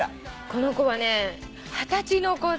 この子はね二十歳の子だ。